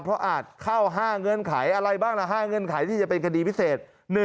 เพราะอาจเข้า๕เงื่อนไขอะไรบ้างละ๕เงื่อนไขที่จะเป็นคดีพิเศษ